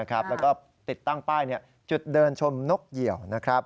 และก็ติดตั้งป้ายจุดเดินชมนกเหยียวนะครับ